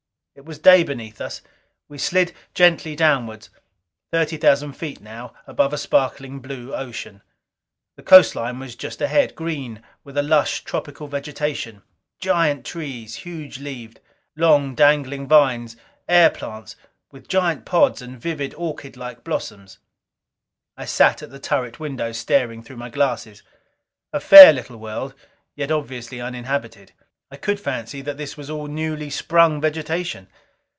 It was day beneath us. We slid gently downward. Thirty thousand feet now, above a sparkling blue ocean. The coastline was just ahead; green with a lush, tropical vegetation. Giant trees, huge leaved. Long, dangling vines; air plants, with giant pods and vivid orchidlike blossoms. I sat at the turret window, staring through my glasses. A fair, little world, yet obviously uninhabited. I could fancy that all this was newly sprung vegetation.